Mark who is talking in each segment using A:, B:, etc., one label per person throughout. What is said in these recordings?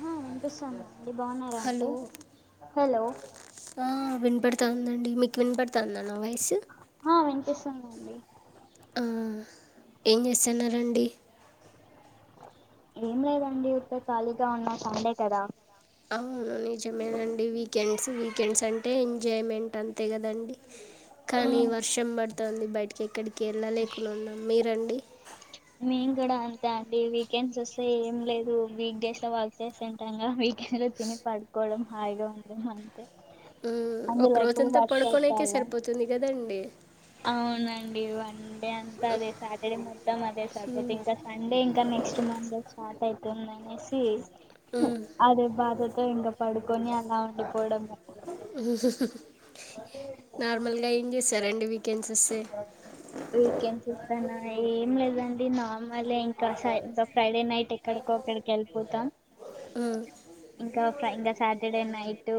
A: హా వినిపిస్తాంది అండి. బావున్నరా అండి? హలో
B: ఆ వినపడుతాందండి. మీకు వినపడతాంద నా వాయిస్? ట్
A: ఆ వినిపిస్తుందండి
B: ఆ ఏం చేస్తన్నారండి?
A: ఏం లేదండి. ఊర్కె ఖాళీగా ఉన్నా. సండే కదా!
B: అవును నిజమేనండి. వీకెండ్స్, వీకెండ్స్ అంటే, ఎంజాయ్మెంట్ అంతే కదండి. కానీ
A: మ్మ్
B: వర్షం పడుతాంది బయటకి ఎక్కడికి ఎళ్ళలేకున్నున్నాం. మీరండి?
A: మేం గూడ అంతే అండి. వీకెండ్స్ ఒస్తే ఏం లేదు వీక్ డేస్ లొ వర్క్ చేసింటాం గా వీక్ సరే తిని పడుకోవడం హాయిగా ఉండడం అంతే.
B: మ్ ఒక
A: అందులో ఇప్పుడు
B: రోజంతా పడుకోనేకే
A: వర్షాకాలం
B: సరిపోతుంది కదండి!
A: అవునండి. వన్ డే అంతా అదే సాటర్డే మొత్తం అదే సరిపోత్ ఇంకా సండే ఇంకా, నెక్స్ట్ మండే స్టార్ట్ అయితుందనేసి, అదే బాధతో ఇంగ పడుకొని అలా ఉండిపోవడం.
B: నార్మల్గా ఏం చేస్తారండి వీకెండ్స్ ఒస్తే?
A: వీకెండ్స్ ఒస్తేనా ఏం లేదండి. నార్మలే ఇంకా సై ఇంగ ఫ్రైడే నైట్ ఎ క్కడికో అక్కడికి ఎళ్ళిపోతాం. ఇంకా ఫ్రై ఇంగ సాటర్డే నైటు,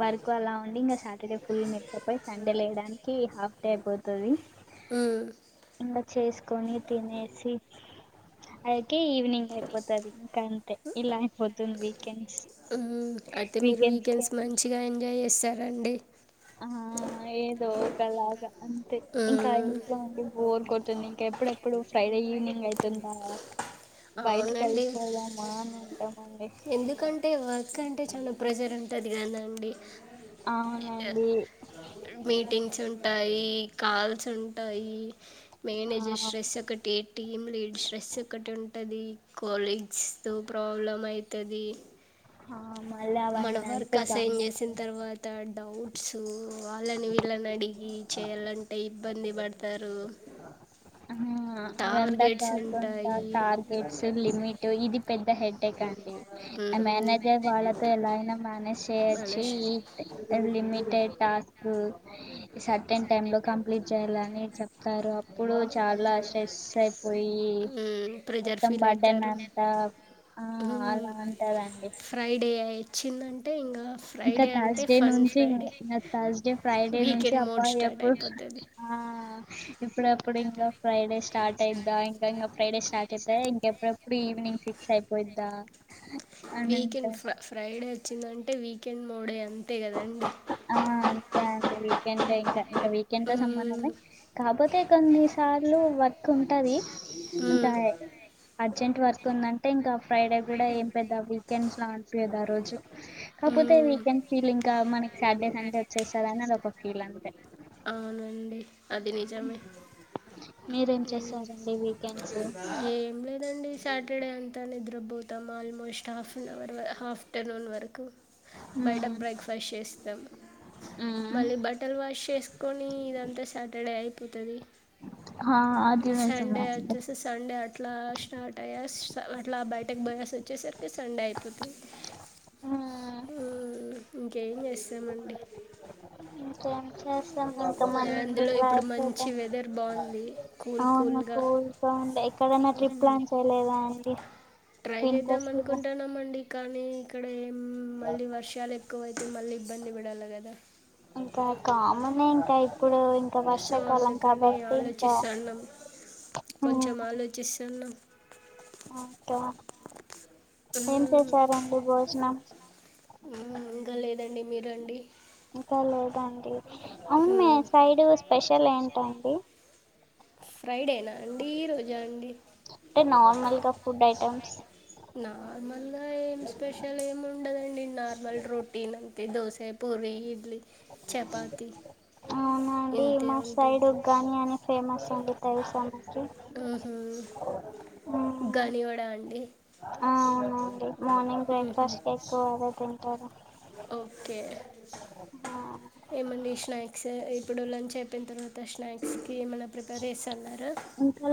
A: వరకు అలా ఉండి, ఇంగ సాటర్డే ఫుల్ నిద్రపొయి, సండే లేయడానికి హాఫ్ డే అయిపోతది. ఇంగ చేసుకొని తినేసి, అయికే ఈవనింగ్ అయిపోతది, ఇంకంతే. ఇలా అయిపోతుంది వీకెండ్స్.
B: మ్. అయితె మీరు వీకెండ్స్ మంచిగా ఎంజాయ్ చేస్తారండి.
A: ఆ ఏదో ఒకలాగ అంతే ఇంకా ఇం ఇంట్లో ఉండి బొరు కొడుతుంది. ఇంకా ఎప్పుడెప్పుడు ఫ్రైడే ఈవినింగ్ అయితుందా! బయటికి
B: అవునండి
A: ఎళ్ళిపొదామా అని ఉంటాం అండి.
B: ఎందుకంటే వర్క్ అంటే చాలా ప్రెజర్ ఉంటది కదా అండి?
A: అవునండి
B: మీటింగ్స్ ఉంటాయి కాల్స్ ఉంటాయి.
A: ఆ
B: మేనేజర్ స్ట్రెస్ ఒకటి టీమ్ లీడ్ స్ట్రెస్ ఒకటి ఉంటది. కోలీగ్స్ తో ప్రాబ్లమ్ అయితది.
A: ఆ మళ్ళీ
B: మన
A: అవన్నీ
B: వర్క్
A: అంటూ
B: అసైన్ చేసిన
A: కామత్
B: తర్వాత డౌట్స్ వాళ్ళని వీళ్ళని అడిగి, చేయాలంటే ఇబ్బంది పడతారు.
A: ఆ
B: టార్గెట్స్ ఉంటాయి
A: హేట్స్ లిమిట్ ఇది పెద్ద హెడ్డెక్ ఆ
B: మ్మ్,
A: మేనేజర్ వాళ్ళతో ఎలా అయినా మేనేజ్
B: మన
A: చేయొచ్చు ఈ లిమిటెడ్ టాస్క్ సెకండ్ టైమ్ లో కంప్లీట్ చేయాలని చెప్తారు అప్పుడు చాలా స్ట్రెస్ అయిపోయి
B: ప్రెజర్
A: మొత్తం
B: ఫీల్
A: బడ్డన్
B: అవుతారు
A: అంతా ఆ
B: మ్మ్,
A: అలా ఉంటదండి
B: ఫ్రైడే ఇచ్చిందంటే ఇంగా
A: ఇంకా
B: ఫ్రైడే అంటే
A: థర్స్డే
B: ఫన్
A: నుంచి
B: ఫ్రైడే
A: ఇంగ థర్స్డే ఫ్రైడే నుంచి
B: వీకెండ్
A: అబ్బా
B: మోడ్ స్టార్ట్
A: ఎప్పుడు
B: అయిపోతది
A: ఆ ఇప్పుడప్పుడు ఇంకా ఫ్రైడేస్ స్టార్ట్ అయిద్దా ఇంకా ఇంకా ఫ్రైడే స్టార్ట్ అయితే ఇంకా ఎప్పుడప్పుడు ఈవనింగ్ సిక్స్ అయిపోయిద్దా అని అంటా
B: వీకెండ్ ఫ ఫ్రైడే వచ్చిందంటే వీకెండ్ మోడే అంతే కదండి
A: ఆ అంతే అండి వీకెండ్ ఇంకా వీకెండ్ తో
B: మ్మ్,
A: సంబంధమే కాపోతే కొన్ని సార్లు వర్క్ ఉంటది
B: మ్మ్,
A: ఉంటాయ్ అర్జెంట్ వర్క్ ఉందంటే ఇంకా ఫ్రైడే కూడా ఏం పెద్ద వీకెండ్స్ లా అనిపియదు ఆ రోజు కాకపోతే
B: మ్మ్.
A: వీకెండ్ ఫీల్ ఇంకా మనకి సాట్డేస్ అంటే వచ్చేస్తార అని అది ఒక ఫీల్ అంతే
B: అవునండి అది నిజమే
A: మీరేం చేస్తారండి వీకెండ్స్
B: హ్మ్మ్ ఏం లేదండి సాటర్డే అంతా నిద్రపోతాము almost half an hour half afternoon వరకు బయట
A: మ్మ్.
B: బ్రేక్ఫాస్ట్ చేస్తాం
A: మ్మ్.
B: మళ్ళీ బయట తల వాష్ చేసుకొని ఇదంతా సాటర్డే అయిపోతది
A: హా అగ్రిమెంట్స్ ఉన్నాయండి
B: వచ్చేసి సండే అట్లా స్టార్ట్ అయ్యాశ్ అట్ బయటకి పోయేచ్చేసరికే కి సండే అయిపోతాది
A: ఆ
B: ఉమ్మ్ ఇంకేం చేస్తామండి
A: ఇంకేం చేస్తాం ఇంకా మందు
B: అందులో ఇప్పుడు
A: వాడకపోతే
B: మంచి వెదర్ బాగుంది కూల్
A: అవును
B: కూల్గా
A: కోడుగా ఉండే ఎక్కడైనా ట్రిప్ ప్లాన్ చేయలేదా అని
B: ట్రై చేద్దాం అనుకుంటున్నామండి కానీ ఇక్కడెం మళ్ళీ వర్షాలు ఎ ఎక్కువ అయితే ఇబ్బంది బడాలి కదా
A: ఇంకా కామనే ఇంకా ఇప్పుడు ఇంకా
B: సో అందు
A: వర్షాకాలం
B: కని
A: కాబట్టి ఇంకా
B: ఆలోచిస్తాన్నాం
A: మ్మ్.
B: కొంచెం ఆలోచిస్తున్నాం
A: అఓకే ఏం
B: ఉమ్,
A: చేసారండి భోజనం
B: ఉమ్మ్ ఇంకా లేదండి మీరు అండి
A: ఇంకా లేదండి అవును మీ
B: మ్మ్.
A: సైడు స్పెషల్ ఏంటండి
B: ఫ్రైడేనా అండి ఈ రోజా అండి
A: అంటే నార్మల్ గా ఫుడ్ ఐటెమ్స్
B: నార్మల్గా ఏం స్పెషల్ ఏమి ఉండదండి నార్మల్ రోటీన్ అంతే దోస పూరి ఇడ్లీ చపాతి
A: అవునండి
B: ఇంతే
A: మా సైడ్
B: ఉంటాది
A: ఉగ్గాని అని ఫేమస్ అంటే తెలుసా మాకి
B: ఉ హు గని వడా అండి
A: ఆ అవునండి మార్నింగ్
B: మ్మ్.
A: బ్రేక్ఫాస్ట్ ఎక్కువ అదే తింటారు
B: ఓకే
A: ఆ
B: ఏమండి శ్నక్స్ ఇప్పుడు లంచ్ అయిపోయిన తర్వాత శ్నక్స్ కి ఏమన్నా ప్రిపరేస్ అన్నారు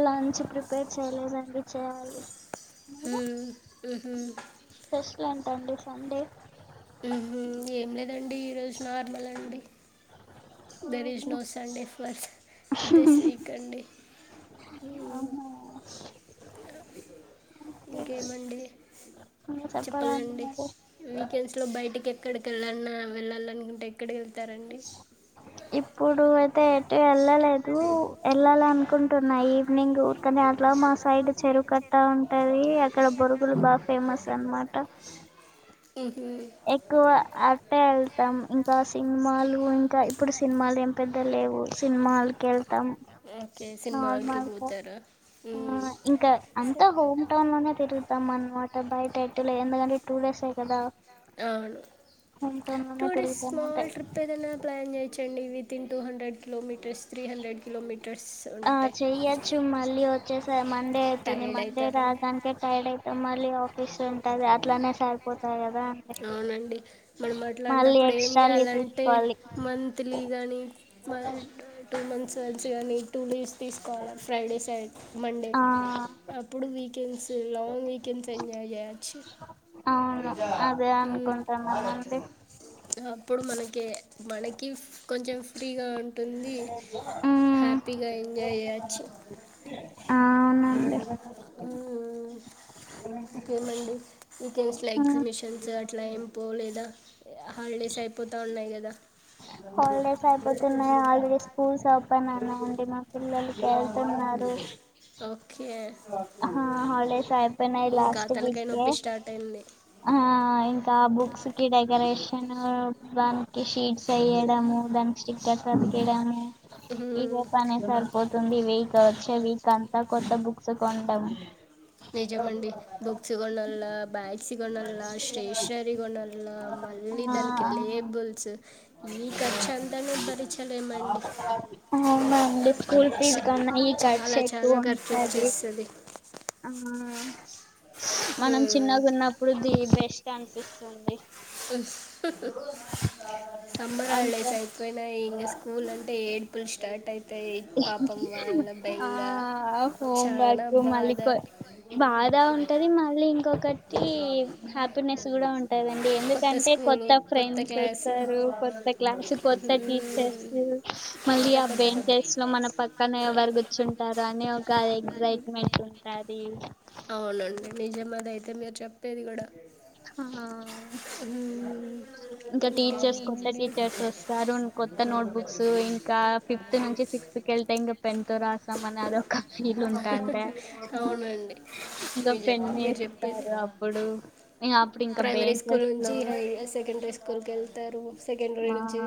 A: లంచ్ ప్రిపేర్ చేయలేదండి చేయాలి మీరు
B: మ్మ్. మ్మ్.
A: స్పెషల్ ఏంటండి సండే.
B: ఏం లేదండి ఈరోజు నార్మల్ అండి there is no Sunday plus this week a day.
A: అవునా
B: ఇంకేమండి
A: మీరు చెప్పాలండి
B: చెప్పలండి
A: మరి
B: వీకెండ్స్లో బయటకి ఎక్కడికి వెళ్ళన్న వెళ్ళాలనుకుంటే ఎక్కడికి వెళ్తారండి
A: ఇప్పుడు అయితే ఎటు వెళ్ళలేదు వెళ్ళాలి అనుకుంటున్నా ఈవినింగ్ కానీ అట్లా మాస్ సైడ్ చెరువు కట్ట ఉంటది అక్కడ బురుగులు బాగా ఫేమస్ అనమాట
B: ఉహు
A: ఎక్కువ అటే వెళ్తాం ఇంక సినిమాలు ఇంకా ఇప్పుడు సినిమాలు ఏం పెద్ద లేవు సినిమాలకి వెళ్తాం నార్మల్గ
B: ఊ
A: ఇంకా అంత హోమ్ టౌన్ లోనే తిరుగుతాం అనమాట బయట ఎటులే ఎందుకంటే టూ డేస్ ఎ కదా
B: అవును
A: హోమ్ టౌన్ లోనే
B: టూ డే
A: తిరుగుతాం అంటే
B: స్మల్ ట్రిప్ ఏదన్న ప్లాన్ చేయొచ్చు అండి within two hundred kilometres three hundred kilometres
A: ఆ
B: ఉంటాయి
A: చెయొచ్చు మళ్ళీ వచ్చేసే మండే అవుతుంది
B: టైర్డ్
A: మండే
B: అవుతారండి
A: రాడానికే టైర్డ అయి మళ్ళీ [unintelligible] ఉంటది అట్లనే సరిపోతాది కదా అండి
B: అవునండి
A: మళ్ళీ ఎక్ట్రాలు [unintelligible]
B: టే మన్ తెలీయ కానీ టూ మంత్స్ వన్స్ కానీ టూ లీవ్స్ తీసుకోవాలి ఫ్రైడే సై
A: ఆ
B: అప్పుడు వీకెండ్స్ లాంగ్ వీకెండ్స్ ఎంజాయ్ చేయచ్చు
A: అవును అదే అనుకుంటాన్నానండి
B: అప్పుడు మనకి మనకి కొంచెం ఫ్రీగా ఉంటుంది
A: ఉమ్
B: హ్యాపీగా ఎంజాయ్ చేయచ్చు
A: ఆ అవునండి
B: ఇంకేమండి వీకెండ్స్ లో ఎగ్జిబిషన్స్ అట్ల ఎంపోలేద హాలిడేస్ అయిపోత ఉన్నాయ్ కదా
A: హాలిడేస్ అయిపోతున్నాయి హాలిడేస్ స్కూల్స్ ఓపెన్ అయినాయండి మా పిల్లల వెళ్తున్నారు
B: ఓకే
A: ఆ హాలిడేస్ అయిపోనాయి
B: ఇంకా
A: లాస్ట్
B: తలకాయ
A: వీకే
B: నొప్పి స్టార్ట్ అయింది
A: ఆ ఇంక బుక్స్ కి డెకరేషన్ దానికి షీ షీట్స్ వేయడము దానికి స్టిక్కర్స్ అతికీడము ఇదే
B: హ్మ్.
A: పని సరిపోతుంది వీక్ వచ్చే వీక్ అంతా కొత్త బుక్స్ కొంటం
B: నిజం అండి బుక్స్ కొనల బ్యాగ్స్ కొనల్ల స్టేషనరీ కొనాల ఇల మళ్ళీ దానికి లేబుల్స్
A: [unintelligible]
B: ఈ ఖర్చు అంతానే భరించలేమండి
A: నండి అ స్కూల్
B: చ-
A: [unintelligible] ఈ కర్చు
B: చాలా
A: ఎక్కువ
B: చాలా ఖర్చు
A: ఉంటది
B: వచ్చేస్తుంది
A: ఆ మనం
B: హ్మ్.
A: చిన్నగ ఉన్నప్పుడు ది బెస్ట్ అనిపిస్తుంది
B: ఉహు ఉహు ఉ సమ్మర్
A: అంత
B: హాలిడేస్ అయిపోయినాయి ఇంక స్కూల్ అంటే ఏడుపులు స్టార్ట్ అయితయి పాపం వాళ్
A: ఆ హోం వర్క్ మళ్ళీ
B: బాధ
A: [unintelligible] బాధ ఉంటది మళ్ళీ ఇంకొక హ్యాపీనెస్ కూడ ఉంటదండి
B: కొత్త
A: ఎందుకంటే కొత్త
B: స్కూలు
A: ఫ్రెండ్స్
B: క్లాసు
A: వస్తారు కొత్త క్లాసు కొత్త
B: హ్మ్.
A: టీచర్సు మళ్ళీ
B: అంత
A: ఆ
B: కొత్త కొత్త
A: బెంచెస్లో మనం పక్కన ఎవరు గూర్చుంటారు అని ఒక ఎగ్జైట్మెంట్ ఉంటాది
B: అవునన్ నిజమాదయితే మీరు చెప్పేది గూడ
A: హా ఇంక
B: ఇంకా
A: టీచర్స్ కొత్త
B: ఏమండి
A: టీచర్స్ ఒస్ సారు న్ కొత్త నోట్ బుక్స్ ఇంకా ఫిఫ్త్ నుంచి సిక్స్త్ కెళ్తే ఇంగ పెన్ తో రాసాం అన్నాదొ క ఫీల్ ఉంటాందా
B: అవునండి
A: ఇగ
B: నిజమే మీరు చెప్పేది
A: పెన్నేస్తారు అప్పుడు ఇగఖ అప్పుడ్ ఇంకా
B: ప్రైమరీ స్కూల్
A: బెంచెస్లో
B: నుంచి హై సెకండరీ స్కూల్కి వెళ్తారు సెకండరీ
A: ఆ
B: నుంచి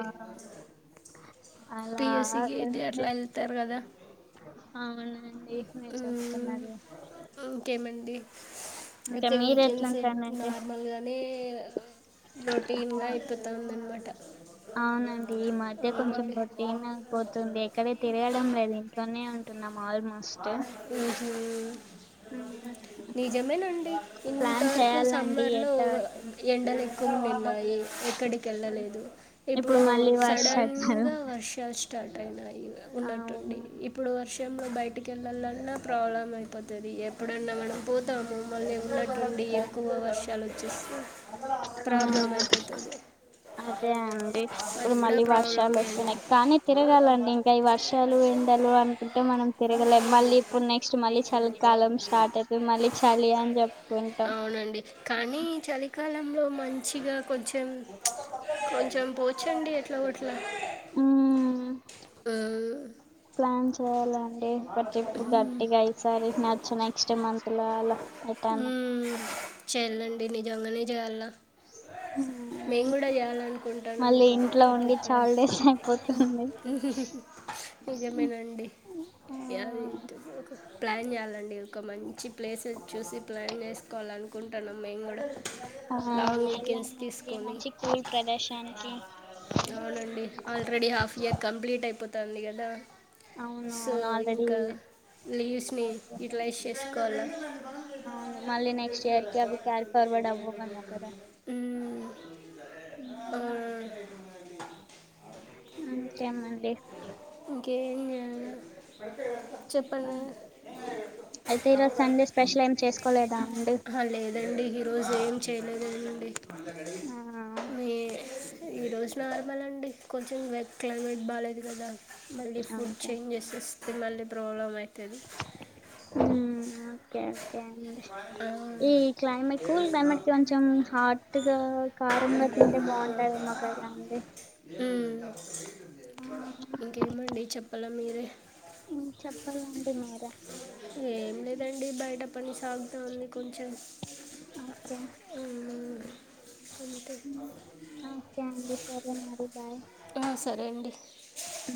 A: అలా
B: పిఎస్సికి ఇది
A: వుంది
B: అట్లా వెళ్తారు కదా
A: అవునండి మీరు
B: ఊమ్
A: చెప్తున్నది
B: ఇంకేమండి
A: ఇంకా
B: అయితే
A: మీరు
B: వీకెండ్స్.
A: ఎట్లుంటానంటే
B: నార్మల్గానే
A: ఆ,
B: రోటీన్గా అయిపోతూందనమాట
A: అవునండి ఈ మధ్య కొంచెం పొట్టీన్పోతుంది ఎక్కడే తిరయడం లేదు ఇంట్లోనే ఉంటున్నాం ఆల్మో
B: ఉహూ నిజమేనండి ఇంత
A: ప్లాన్
B: వరకు
A: చేయాలండి
B: సమ్మర్ లో
A: ఎటో అటు
B: ఎండల్ ఎక్కువ్ నిన్నాయి ఎక్కడికెళ్ళలేదు ఇప్పుడు
A: మళ్ళీ
B: సడన్
A: వర్షాకాలం
B: గా వర్షాలు స్టార్ట్ అయినాయి ఉన్నట్టుండి
A: అవును
B: ఇప్ ఇప్పుడు వర్షంలో బయ్ కెళ్లలన్నా ప్రాబ్లమ్ అయిపోతది ఎప్పుడన్నా మనం పోతాము మ్మళ్ళీ ఉన్నట్టుండి క్కువ వర్షాలొచ్చేస్తే
A: ఆ
B: ప్రాబ్లమ్ అయిపోతది
A: అదే అండి ఇప్పుడు మళ్ళీ వర్షాల్
B: ప్రాబ్లమే
A: ఒస్తున్నయ్
B: అండి
A: కానీ తిరగాలండి ఇంకా ఈ వర్షాలు ఎండలు అనుకుంటే మనం తిరగలేం మళ్ళీ ఇప్పుడ్ నెక్స్ట్ మళ్ళీ చల్ కాలం స్టార్ట్ అయితద్ మళ్ళీ చలి అని జెప్పుకుంటాం
B: అవునండి కానీ చలికాలంలో మంచిగ కొంచెం కొంచెం పోచండి ఎట్లా ఒగట్లా
A: మ్మ్
B: ఊ
A: ప్లాన్ చేయాలండి ఇక ట్రిప్ గట్టిగా ఈ సారి నచ్చ నెక్స్ట్ మంత్ లో అలా ఎటన్న
B: చేలండి నిజంగనే జేయాలా
A: హ్
B: మేము గుడ చేయాలనుకుంటన్నాం ఒక
A: ఇంట్లో
B: ట్రిప్పు
A: ఉండి చాలా
B: ఫ్రెండ్స్
A: డేస్ అయిపోతుంది
B: నిజమేనండి
A: ఆ
B: యె అదేంటిదో ఒక ప్లాన్ జేయ్యాలండి ఒక మంచి ప్లేసె చూసి ప్లాన్ చేసుకోవాలనుకుంటన్నాం మేమ్ గూడ
A: ఆ ఎళ్లానండి మంచి కూల్ ప్రదేశానికి
B: అవునండి ఆల్రెడీ హాఫ్ ఇయర్ కంప్లీట్ అయిపోతంది గదా
A: అవును
B: సో
A: అవును ఆల్రెడీ
B: ఇంక లీవ్స్ నీ యూటిలైజ్ చేసుకోవాల
A: అవును మళ్ళీ నెక్స్ట్ ఇయర్ కి అవి క్యారీ ఫార్వర్డ్ అవ్వవ్ ఏమో కదా
B: మ్మ్, ఆ,
A: ఊమ్ ఇంకేమండి
B: ఇంకేం జెయాల చెప్పండి
A: అయితే ఈరోజ్ సండే స్పెషల్ ఏం చేసుకోలేదా అండి
B: అహ లేదండి హీ రోజ్ ఏం చేయలేదండి
A: ఆ,
B: మీ ఈరోజ్ నార్మల్ అండి కొంచెం వె క్లైమేట్ బాలేదు గదా మళ్ళీ ఫుడ్
A: ఓకే
B: చేంజెస్ ఒస్తే మళ్ళీ ప్రాబ్లం అయితది
A: ఉమ్ ఓకే ఓకే అండి
B: ఆ,
A: ఈ క్లైమేట్ కు కూల్ క్లైమేట్ కి కొంచెం హాట్ గా కారం గా తింటే బాగుంటాది మాకు కదా అండి
B: ఉ
A: ఆ
B: ఇంకేమండి చెప్పాలా మీరే
A: ఉ చెప్పాలండి మీరే
B: ఏం లేదండి బయట పని సాగుతంది కొంచెం
A: కే
B: మ్మ్, అంతే
A: ఉ ఓకే అండి సరే మరి బాయ్
B: సరే అండి
A: ఉ